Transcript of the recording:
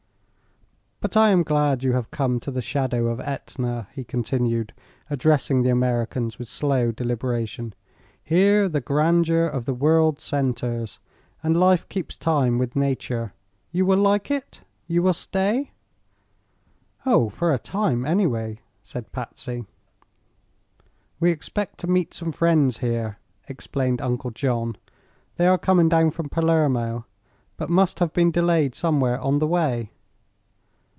"But I am glad you have come to the shadow of Etna," he continued, addressing the Americans with slow deliberation. "Here the grandeur of the world centers, and life keeps time with Nature. You will like it? You will stay?" "Oh, for a time, anyway," said Patsy. "We expect to meet some friends here," explained Uncle John. "They are coming down from Palermo, but must have been delayed somewhere on the way."